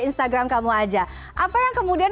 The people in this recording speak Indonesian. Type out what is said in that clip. instagram kamu aja apa yang kemudian